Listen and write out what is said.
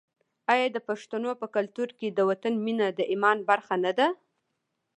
آیا د پښتنو په کلتور کې د وطن مینه د ایمان برخه نه ده؟